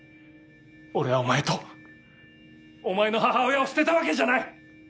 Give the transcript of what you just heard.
俺はお前とお前の母親を捨てたわけじゃない！